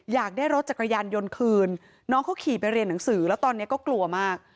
อยากได้รถจักรยานยนต์คืนน้องเขาขี่ไปเรียนหนังสือแล้วตอนนี้ก็กลัวมาก